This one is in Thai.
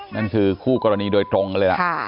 นั่นคือคู่กรณีโดยตรงกันเลยล่ะ